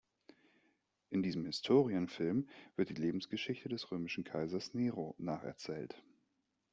In diesem Historienfilm wird die Lebensgeschichte des römischen Kaisers Nero nacherzählt.